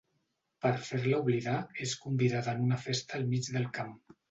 Per fer-la oblidar, és convidada en una festa al mig del camp.